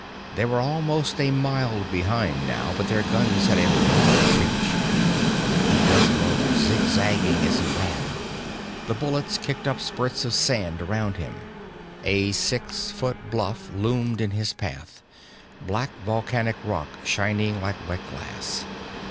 They were almost a mile behind now but their guns had a long reach. He bent low, zigzagging as he ran. The bullets kicked up spurts of sand around him. A six foot bluff loomed in his path, black volcanic rock shining like wet glass.